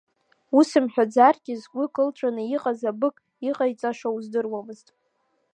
Ус имҳәаӡаргьы згәы кылҵәаны иҟаз абык иҟаиҵаша уздыруамызт.